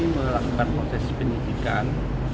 melakukan proses penyidikan